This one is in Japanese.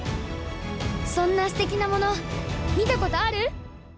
そんなすてきなもの、見たことある？